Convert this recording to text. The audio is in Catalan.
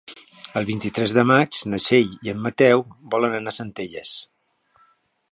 El vint-i-tres de maig na Txell i en Mateu volen anar a Centelles.